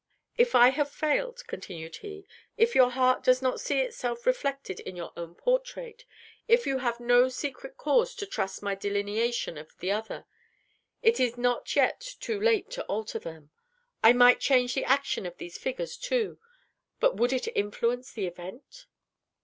"If I have failed," continued he, "if your heart does not see itself reflected in your own portrait, if you have no secret cause to trust my delineation of the other, it is not yet too late to alter them. I might change the action of these figures too. But would it influence the event?"